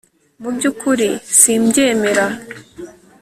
mu byukuri simbyemera